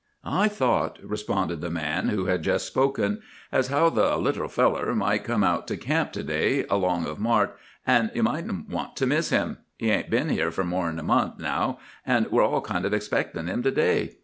"'I thought,' responded the man who had just spoken, 'as how the "little feller" might come out to camp to day, along of Mart, an' you mightn't want to miss him. He ain't been here fur more'n a month, now, an' we're all kind of expectin' him to day.